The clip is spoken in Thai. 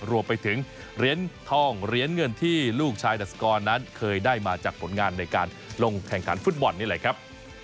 รวมไปถึงเหรียญทองเหรียญเงินที่ลูกชายดัชกรนั้นเคยได้มาจากผลงานในการลงแข่งขันฟุตบอลนี่แหละครับ